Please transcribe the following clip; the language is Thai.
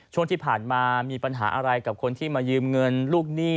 ช่วงที่ผ่านมามีปัญหาอะไรกับคนที่มายืมเงินลูกหนี้